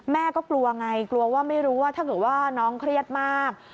แม่ก็กลัวไงกลัวว่าไม่รู้ว่าถ้าเกิดว่าน้องเครียดมาก